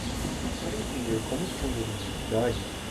Para entender como esconder a identidade